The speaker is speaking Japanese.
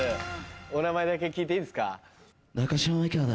お名前だけ聞いていいですか？